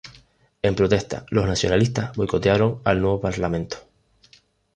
En protesta, los nacionalistas boicotearon al nuevo parlamento.